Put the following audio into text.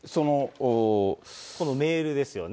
このメールですよね。